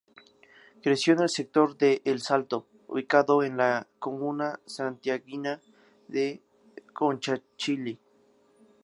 Creció en el sector de El Salto, ubicado en la comuna santiaguina de Conchalí.